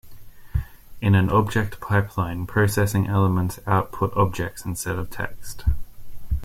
In an object pipeline, processing elements output objects instead of text.